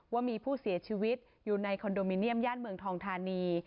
ว่ามีผู้เสียชีวิตอยู่ในคอนโดมิเนียมย่านเมืองทองธานี